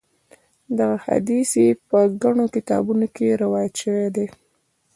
دغه حدیث چې په ګڼو کتابونو کې روایت شوی دی.